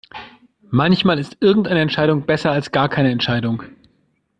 Manchmal ist irgendeine Entscheidung besser als gar keine Entscheidung.